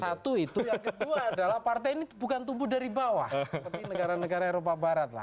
satu itu yang kedua adalah partai ini bukan tumbuh dari bawah seperti negara negara eropa barat lah